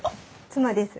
妻です。